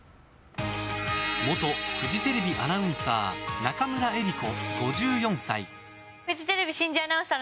元フジテレビアナウンサー中村江里子、５４歳。